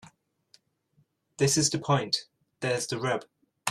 This is the point. There's the rub.